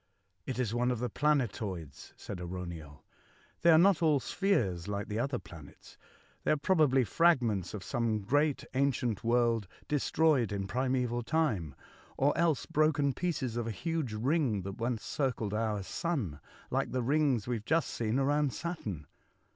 " It is one of the planetoids," said AraunieL '' They are not all spheres like the other planets. They are probably fragments of some great ancient world destroyed in primaeval time, or else broken pieces of a huge ring that once circled our sun, like the rings we have just seen around Saturn."